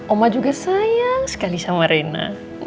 oma juga sayang sekali sama rena